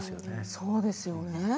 そうですよね。